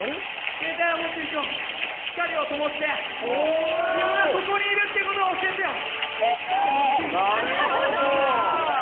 携帯を持ってる人、光をともして、自分はここにいるっていうことを教えてよ。